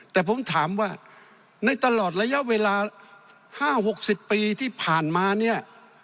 แต่ผมถามว่าในตลอดระยะเวลา๕๖๐ปีที่ผ่านมาเนี่ย